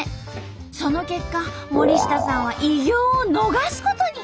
その結果森下さんは偉業を逃すことに。